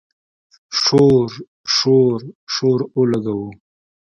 شور، شور، شور اولګوو